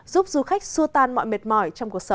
giúp du khách xua tan mọi mệt mỏi